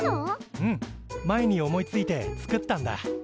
うん前に思いついて作ったんだ。